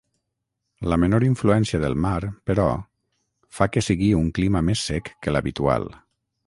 La menor influència del mar, però, fa que sigui un clima més sec que l'habitual.